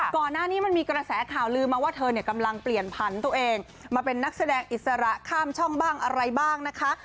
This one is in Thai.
ก่อนหน้านี้มันมีกระแสข่าวลืมมาว่าเธอเนี่ยกำลังเปลี่ยนผันตัวเองมาเป็นนักแสดงอิสระข้ามช่องบ้างอะไรบ้างนะคะ